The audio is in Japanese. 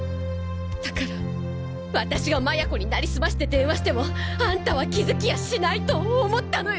だから私が麻也子になりすまして電話してもあんたは気づきやしないと思ったのよ！